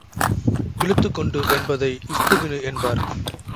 இழுத்துக்கொண்டு—என்பதை இஸ்த்துக்கினு என்பர்.